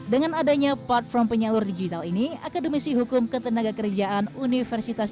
dengan adanya platform penyalur digital ini akademisi hukum ketenaga kerjaan universitas